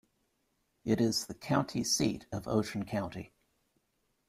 It is the county seat of Ocean County.